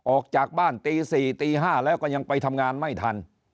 ออกจากบ้านตี๔ตี๕แล้วก็ยังไปทำงานไม่ทัน